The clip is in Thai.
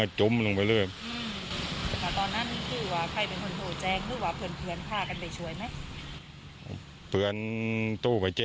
แต่ตอนนั้นก็คือว่าใครเป็นคนโทรแจงรู้ว่าเผื่อนฆ่ากันไปช่วยไหม